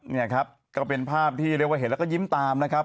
นี่ครับก็เป็นภาพที่เรียกว่าเห็นแล้วก็ยิ้มตามนะครับ